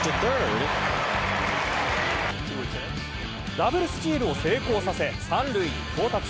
ダブルスチールを成功させ３塁に到達。